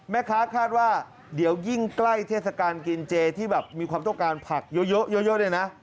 แม่ค้าคาดว่าเดี๋ยวยิ่งใกล้เทศกาลกินเจที่แบบมีความต้องการผักเยอะเนี่ยนะ